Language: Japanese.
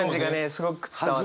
すごく伝わって。